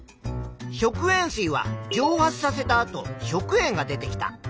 食塩水は蒸発させたあと食塩が出てきた。